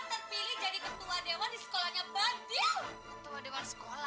terpilih jadi ketua dewan sekolahnya badia